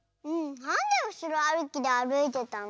なんでうしろあるきであるいてたの？